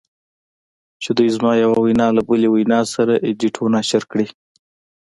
چې دوی زما یوه وینا له بلې وینا سره ایډیټ و نشر کړې